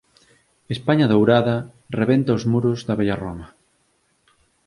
España Dourada, rebenta os muros da vella Roma;